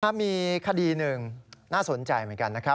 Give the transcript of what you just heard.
มีคดีหนึ่งน่าสนใจเหมือนกันนะครับ